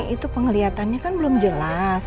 itu penglihatannya kan belum jelas